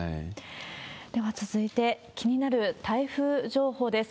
では続いて、気になる台風情報です。